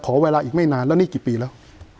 ขอเวลาอีกไม่นานแล้วนี่กี่ปีแล้ว